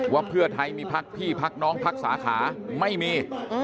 เราเพื่อไทยมีภาคพี่พรรคน้องภาคสาขาไม่มี